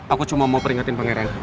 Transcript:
aku cuma mau peringatin pangeran